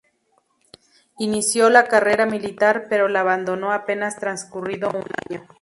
Inició la carrera militar, pero la abandonó apenas transcurrido un año.